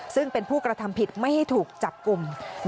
ซึ่งเป็นผู้กระทำผิดไม่ให้ถูกจับกลุ่ม